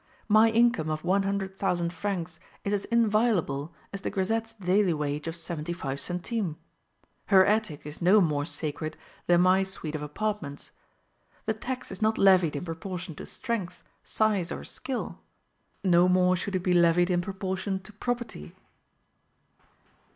My income of one hundred thousand francs is as inviolable as the grisette's daily wage of seventy five centimes; her attic is no more sacred than my suite of apartments. The tax is not levied in proportion to strength, size, or skill: no more should it be levied in proportion to property.